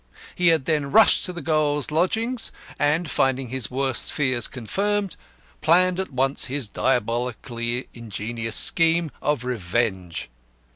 He had then rushed to the girl's lodgings, and, finding his worst fears confirmed, planned at once his diabolically ingenious scheme of revenge.